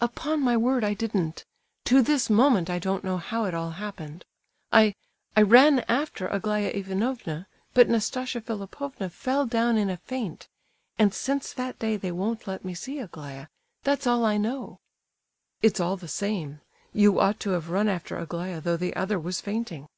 "Upon my word, I didn't! To this moment I don't know how it all happened. I—I ran after Aglaya Ivanovna, but Nastasia Philipovna fell down in a faint; and since that day they won't let me see Aglaya—that's all I know." "It's all the same; you ought to have run after Aglaya though the other was fainting."